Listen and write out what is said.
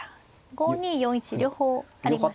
５二４一両方ありましたか。